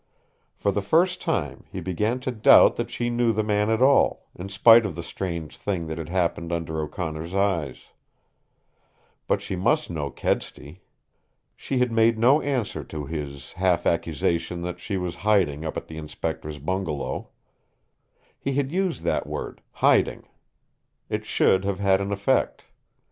For the first time he began to doubt that she knew the man at all, in spite of the strange thing that had happened under O'Connor's eyes. But she must know Kedsty. She had made no answer to his half accusation that she was hiding up at the Inspector's bungalow. He had used that word "hiding." It should have had an effect.